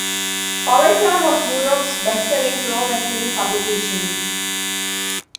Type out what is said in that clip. "Power Slam" was Europe's best-selling pro wrestling publication.